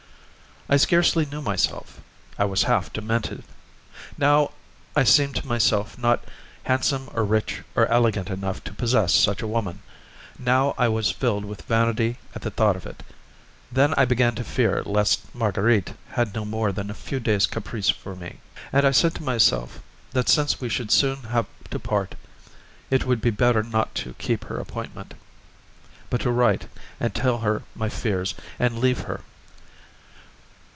I scarcely knew myself. I was half demented. Now, I seemed to myself not handsome or rich or elegant enough to possess such a woman, now I was filled with vanity at the thought of it; then I began to fear lest Marguerite had no more than a few days' caprice for me, and I said to myself that since we should soon have to part, it would be better not to keep her appointment, but to write and tell her my fears and leave her.